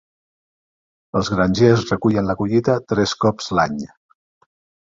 Els grangers recullen la collita tres cops l'any.